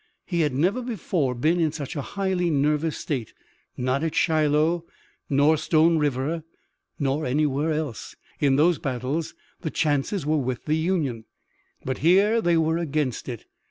He had never before been in such a highly nervous state, not at Shiloh, nor Stone River, nor anywhere else. In those battles the chances were with the Union, but here they were against it.